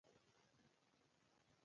رابرټ سوټي وایي کتابونو ډکه کوټه غواړي.